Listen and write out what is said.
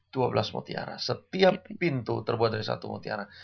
dua belas mutiara setiap pintu terbuat dari satu mutiara